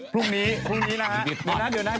ภูมินี้นะคะดีนะ